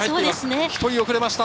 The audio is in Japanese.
１人遅れました。